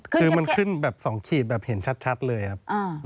คือมันขึ้นแบบ๒ขีดแบบเห็นชัดเลยครับ